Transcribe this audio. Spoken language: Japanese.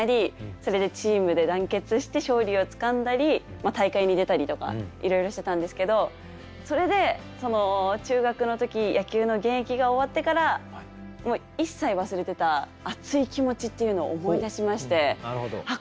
それでチームで団結して勝利をつかんだり大会に出たりとかいろいろしてたんですけどそれで中学の時野球の現役が終わってから一切忘れてた熱い気持ちっていうのを思い出しましてあっ